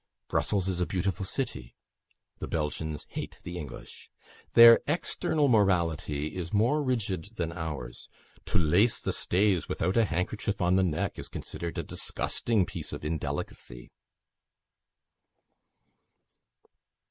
Brussels is a beautiful city. The Belgians hate the English. Their external morality is more rigid than ours. To lace the stays without a handkerchief on the neck is considered a disgusting piece of indelicacy."